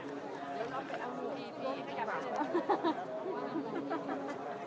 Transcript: เมื่อเวลาอันดับสุดท้ายเมื่อเวลาอันดับสุดท้าย